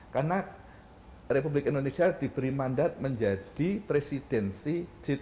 karena republik indonesia diberi mandat menjadi presidensi g dua puluh